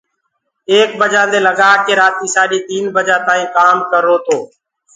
ايڪ بجآنٚ دي لگآ ڪي رآتيٚ سآڏيٚ تيٚن بجآ تآئيٚنٚ ڪآم ڪررو تو